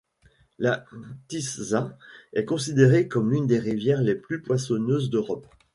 La Tisza est considérée comme l'une des rivières les plus poissonneuses d'Europe.